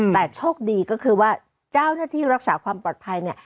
แต่โชคดีก็คือว่าเจ้าหน้าที่รักษาความปลอดภัยเนี่ย